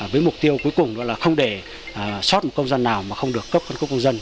với mục tiêu cuối cùng đó là không để sót một công dân nào mà không được cấp phân khúc công dân